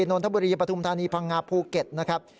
นนทบุรีปฐุมธานีพังงาภูเก็ตนะครับ